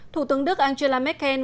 thủ tướng đức angela merkel